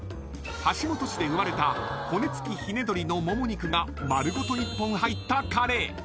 ［橋本市で生まれた骨付きひねどりのモモ肉が丸ごと１本入ったカレー］